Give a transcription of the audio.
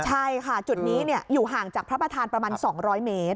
ใช่ค่ะจุดนี้อยู่ห่างจากพระประธานประมาณ๒๐๐เมตร